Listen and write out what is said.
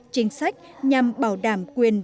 chính sách nhằm bảo đảm